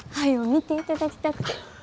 見ていただきたくて。